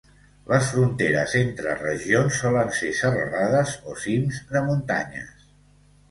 Les fronteres entre regions solen ser serralades o cims de muntanyes.